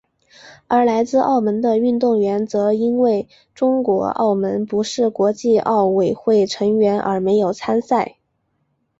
而来自澳门的运动员则因为中国澳门不是国际奥委会成员而没有参赛。